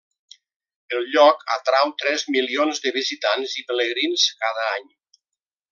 El lloc atrau tres milions de visitants i pelegrins cada any.